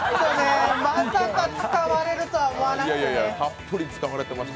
まさか使われるとは思わなくて。